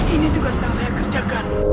ini juga sedang saya kerjakan